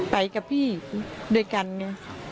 ไปกับพี่ด้วยกันไง